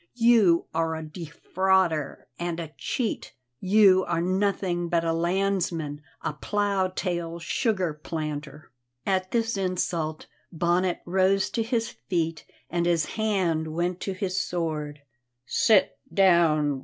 You are a defrauder and a cheat; you are nothing but a landsman, a plough tail sugar planter!" At this insult Bonnet rose to his feet and his hand went to his sword. "Sit down!"